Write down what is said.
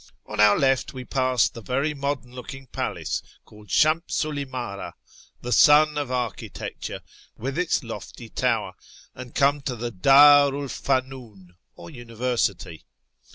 On our left we pass the very modern looking palace called Shamsitl Imdra (" the Sun of Architecture "), with its lofty tower, and come to the Ddru 'l Funun, or university.